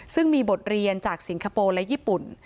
ซึ่งมีบทเรียนจากสิงคโปร์และญี่ปุ่น